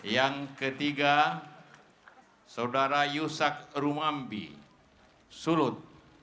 yang ketiga saudara yusak rumambi sulut